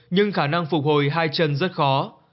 nhưng khả năng phục hồi hai chân rất khó